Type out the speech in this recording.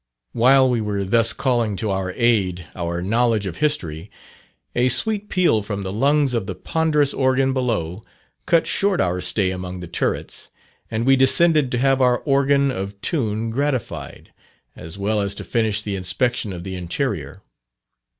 While we were thus calling to our aid our knowledge of history, a sweet peal from the lungs of the ponderous organ below cut short our stay among the turrets, and we descended to have our organ of tune gratified, as well as to finish the inspection of the interior.